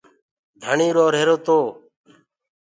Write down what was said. ڌڻيٚ روهيرو تو پڇي